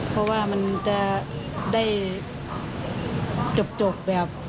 เพราะว่ามันจะได้จบแบบ